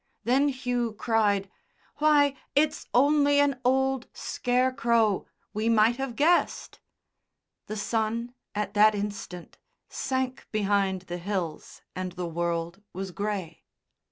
Then Hugh cried, "Why, it's only an old Scarecrow. We might have guessed." The sun, at that instant, sank behind the hills and the world was grey.